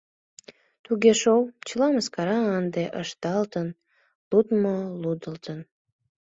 — Туге шол, чыла мыскара ынде ышталтын, лудмо лудылтын.